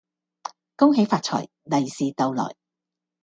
恭喜發財，利是逗來